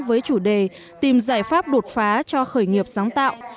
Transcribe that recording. với chủ đề tìm giải pháp đột phá cho khởi nghiệp sáng tạo